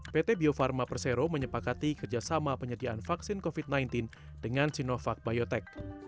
pt bio farma persero menyepakati kerjasama penyediaan vaksin covid sembilan belas dengan sinovac biotech